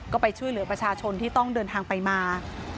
ก็ไปช่วยเหลือประชาชนที่ต้องเดินทางไปมา